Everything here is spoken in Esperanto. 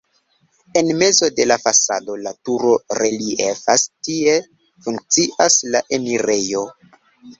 En mezo de la fasado la turo reliefas, tie funkcias la enirejo.